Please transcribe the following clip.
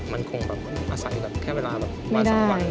มันคงอาศัยแค่เวลาแบบวันสักวัน